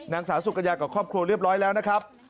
นางสาวสุกัญญากับครอบครัวเรียบร้อยแล้วนะครับ